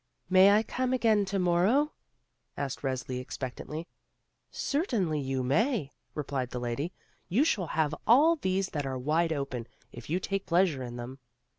"May I come again to morrow?" asked Resli expectantly. "Certainly you may," replied the lady; "you shall have all these that are wide open, if you take pleasure in them."